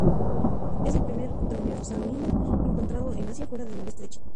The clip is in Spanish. Es el primer dromeosáurido encontrado en Asia fuera del noreste de China.